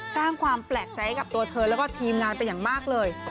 สร้างความแปลกใจให้กับตัวเธอแล้วก็ทีมงานเป็นอย่างมากเลย